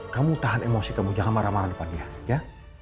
kamu tahan emosi kamu jangan marah marah depannya ya